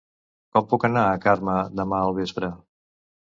Com puc anar a Carme demà al vespre?